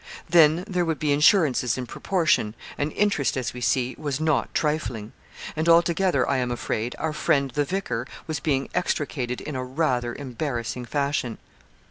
Then there would be insurances in proportion; and interest, as we see, was not trifling. And altogether, I am afraid, our friend the vicar was being extricated in a rather embarrassing fashion.